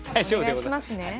お願いしますね。